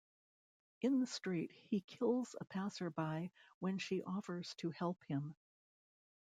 In the street, he kills a passer-by when she offers to help him.